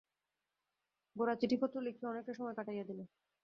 গোরা চিঠিপত্র লিখিয়া অনেকটা সময় কাটাইয়া দিল।